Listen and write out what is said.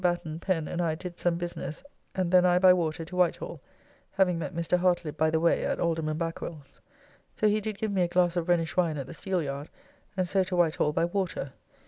Batten, Pen, and I did some business, and then I by water to Whitehall, having met Mr. Hartlibb by the way at Alderman Backwell's. So he did give me a glass of Rhenish wine at the Steeleyard, and so to Whitehall by water.